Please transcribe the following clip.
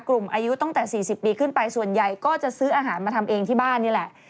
อายุตั้งแต่๔๐ปีขึ้นไปส่วนใหญ่ก็จะซื้ออาหารมาทำเองที่บ้านนี่แหละ